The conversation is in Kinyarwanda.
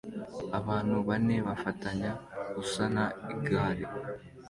Abantu bane bafatanya gusana igare